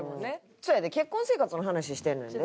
そうやで結婚生活の話してるのにな。